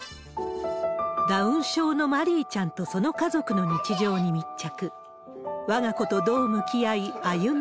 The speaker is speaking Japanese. ダウン症のまりいちゃんと、その家族の日常に密着。